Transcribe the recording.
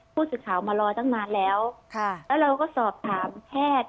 ผู้สื่อข่าวมารอตั้งนานแล้วแล้วเราก็สอบถามแพทย์